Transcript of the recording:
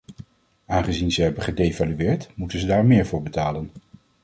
Aangezien ze hebben gedevalueerd, moeten ze daar meer voor betalen.